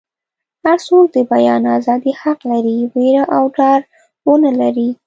هر څوک د بیان ازادي حق لري ویره او ډار ونه لري.